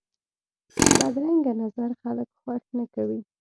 بدرنګه نظر خلک خوښ نه کوي